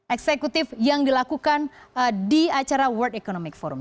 eksekutif yang dilakukan di acara world economic forum